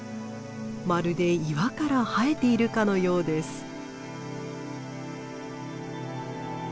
まるで岩から生えているかのようです。